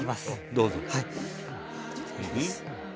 どうぞ。